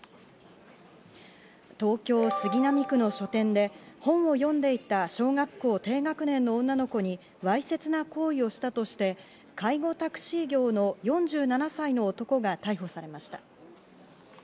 東京・杉並区の書店で本を読んでいた小学校低学年の女の子にわいせつな行為をしたとして、介護タクシー業の４７歳の男が逮捕されました。